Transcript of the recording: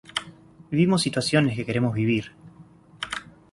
Vivimos situaciones que queremos vivir.